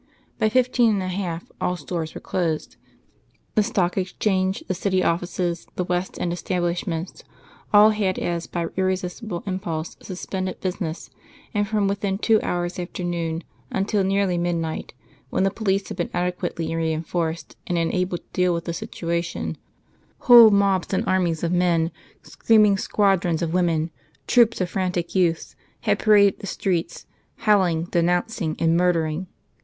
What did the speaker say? By fifteen and a half all stores were closed, the Stock Exchange, the City offices, the West End establishments all had as by irresistible impulse suspended business, and from within two hours after noon until nearly midnight, when the police had been adequately reinforced and enabled to deal with the situation, whole mobs and armies of men, screaming squadrons of women, troops of frantic youths, had paraded the streets, howling, denouncing, and murdering.